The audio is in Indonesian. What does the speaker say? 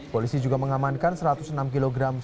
polisi juga mengamankan satu ratus enam kg